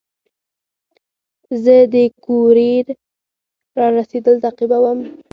زه د کوریر رارسېدل تعقیبوم.